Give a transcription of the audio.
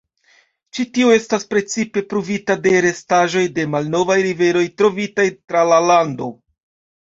Ĉi tio estas precipe pruvita de restaĵoj de malnovaj riveroj trovitaj tra la lando.